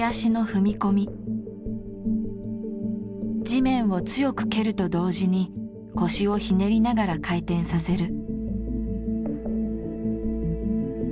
地面を強く蹴ると同時に腰をひねりながら回転させる。